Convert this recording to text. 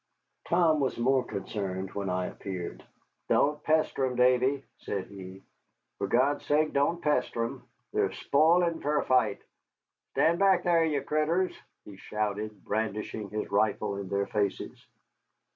Tom was more concerned when I appeared. "Don't pester 'em, Davy," said he; "fer God's sake don't pester 'em. They're spoilin' fer a fight. Stand back thar, ye critters," he shouted, brandishing his rifle in their faces.